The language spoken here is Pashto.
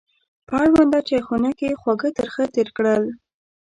په اړونده چایخونه کې خواږه ترخه تېر کړل.